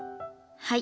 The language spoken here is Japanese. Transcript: はい。